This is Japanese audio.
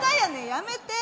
やめて。